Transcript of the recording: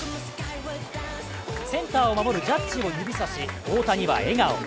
センターを守るジャッジを指さし、大谷は笑顔。